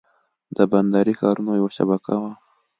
د بندري ښارونو یوه شبکه وه.